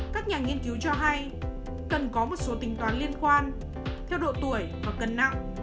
các nhà nghiên cứu cho hay cần có một số tính toán liên quan theo độ tuổi và cân nặng